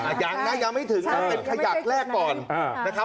พี่บ๊ายยังนะยังไม่ถึงค่ะเป็นขยะแรกก่อนนะคะ